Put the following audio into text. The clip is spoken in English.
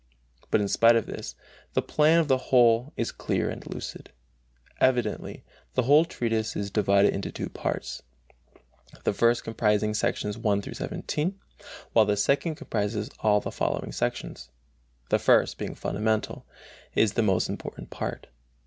But in spite of this, the plan of the whole is clear and lucid. Evidently the whole treatise is divided into two parts: the first comprising sections 1 17, while the second comprises all the following sections. The first, being fundamental, is the more important part.